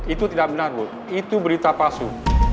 itu tidak benar bu itu berita palsu